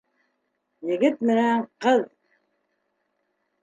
Егет менән ҡыҙ!